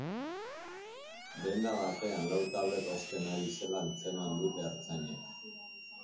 Denda batean lau tablet osten ari zela atzeman dute ertzainek.